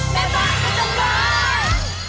แม่บ้านประจำบาน